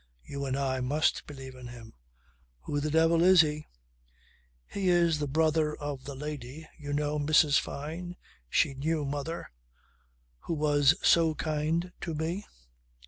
"You and I must believe in him." "Who the devil is he?" "He's the brother of the lady you know Mrs. Fyne, she knew mother who was so kind to me.